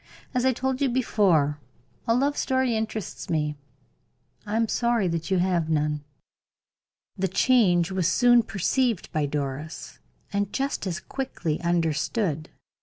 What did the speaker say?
As I told you before, a love story interests me. I am sorry that you have none." The change was soon perceived by Doris, and just as quickly understood.